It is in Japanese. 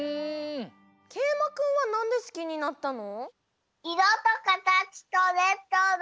けいまくんはなんですきになったの？